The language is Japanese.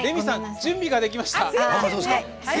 準備ができました。